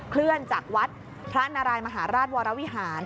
เคลื่อนจากวัดพระนารายมหาราชวรวิหาร